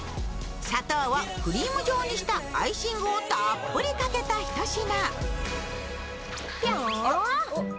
砂糖をクリーム状にしたアイシングをたっぷりかけたひと品。